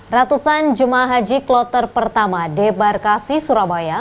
ratusan jemaah haji kloter pertama debarkasi surabaya